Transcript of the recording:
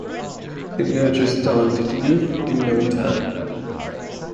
It nurtures talented youth in no time.